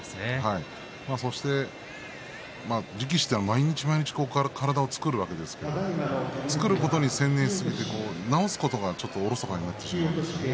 そして、力士は毎日毎日体を作るわけですから作ることに専念をして治すことがおろそかになってしまうんですね。